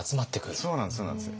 そうなんですそうなんですよ。